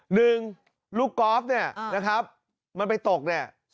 หนึ่งลูกก๊อฟเนี้ยอืมนะครับมันไปตกเนี้ย